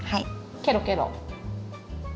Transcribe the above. ケロケロ。